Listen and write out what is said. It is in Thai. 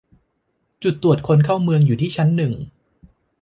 จุดตรวจคนเข้าเมืองอยู่ที่ชั้นหนึ่ง